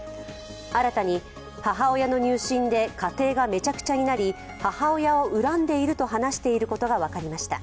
新たに、母親の入信で家庭がめちゃくちゃになり母親を恨んでいると話しているこが分かりました。